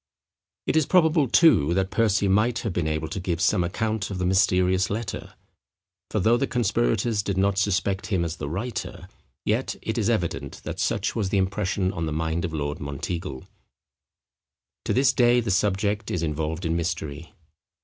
It is probable, too, that Percy might have been able to give some account of the mysterious letter. For though the conspirators did not suspect him as the writer, yet it is evident that such was the impression on the mind of Lord Monteagle. To this day the subject is involved in mystery.